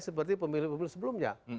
seperti pemilu pemilu sebelumnya